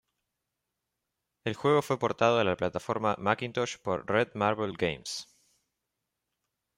El juego fue portado a la plataforma Macintosh por Red Marble Games.